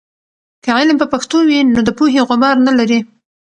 که علم په پښتو وي، نو د پوهې غبار نلري.